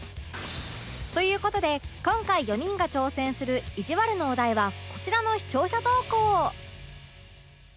という事で今回４人が挑戦するいじわるのお題はこちらの視聴者投稿